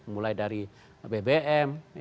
mulai dari bbm